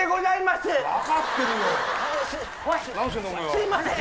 すいません！